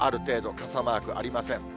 傘マークありません。